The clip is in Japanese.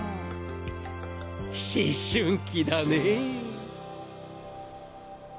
思春期だね。